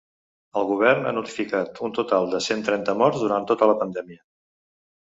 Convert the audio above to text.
El govern ha notificat un total de cent trenta morts durant tota la pandèmia.